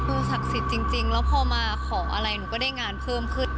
ศักดิ์สิทธิ์จริงแล้วพอมาขออะไรหนูก็ได้งานเพิ่มขึ้น